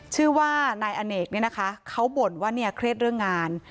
ชื่อว่านายอเนกเนี่ยนะคะเขาบ่นว่าเนี่ยเครียดเรื่องงาน